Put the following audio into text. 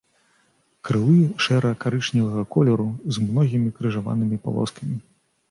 Крылы шэра-карычневага колеру, з многімі крыжаванымі палоскамі.